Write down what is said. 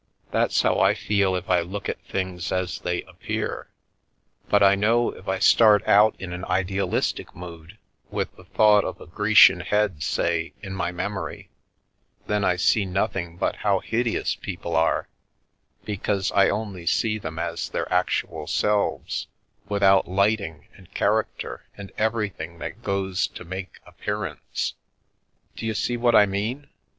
That's how I feel if I look at things as they appear, but I know if I start out in an idealistic mood, with the thought of a Grecian head, say, in my memory, then I see nothing but how hideous people are, because I only see them as their actual selves, without lighting, and character, and everything that goes to make appearance. D'you see what I mean